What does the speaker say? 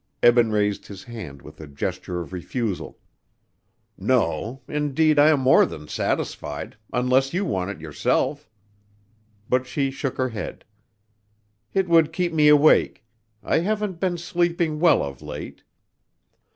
Eben raised his hand with a gesture of refusal. "No, indeed, I am more than satisfied unless you want it yourself." But she shook her head, "It would keep me awake. I haven't been sleeping well of late."